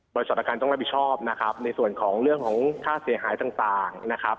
อาการต้องรับผิดชอบนะครับในส่วนของเรื่องของค่าเสียหายต่างนะครับ